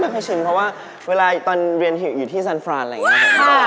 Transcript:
มันค่อยชื่นเพราะว่าเวลาตอนเรียนฮิวอยู่ที่สานฟรานส์อะไรอย่างนั้น